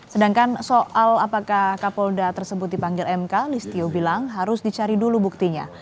sedangkan soal apakah kapolda tersebut dipanggil mk listio bilang harus dicari dulu buktinya